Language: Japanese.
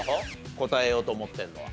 答えようと思ってるのは。